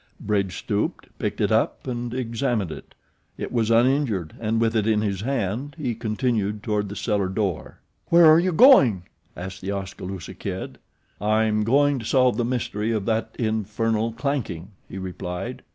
Bridge stooped, picked it up and examined it. It was uninjured and with it in his hand he continued toward the cellar door. "Where are you going?" asked The Oskaloosa Kid. "I'm going to solve the mystery of that infernal clanking," he replied.